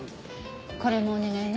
これもお願いね。